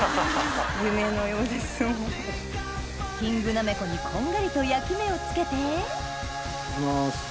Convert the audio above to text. キングなめこにこんがりと焼き目をつけて行きます。